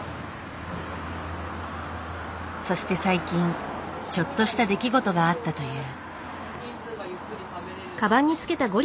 そして最近ちょっとした出来事があったという。